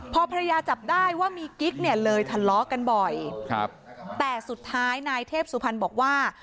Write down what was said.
พอภรรยาจับได้ว่ามีกิ๊กเนี่ยเลยทะเลาะกันบ่อยครับแต่สุดท้ายนายเทพสุพรรณบอกว่า